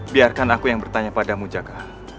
biarkan aku yang bertanya padamu jaga